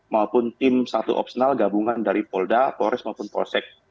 maupun tim satu opsional gabungan dari polda polres maupun polsek